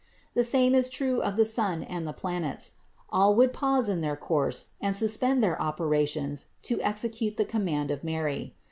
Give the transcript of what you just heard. The same is true of the sun and the planets : all would pause in their course and suspend their operations to execute the command of Mary.